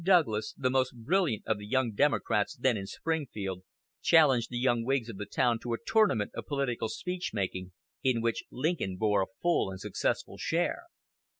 Douglas, the most brilliant of the young Democrats then in Springfield, challenged the young Whigs of the town to a tournament of political speech making, in which Lincoln bore a full and successful share.